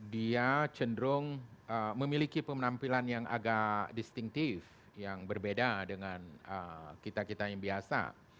dia cenderung memiliki penampilan yang agak distinktif yang berbeda dengan kita kita yang biasa